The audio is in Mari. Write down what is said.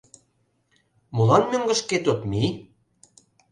Молан мӧҥгышкет от мий?..